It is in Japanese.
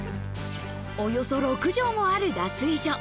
およそ６畳もある脱衣所。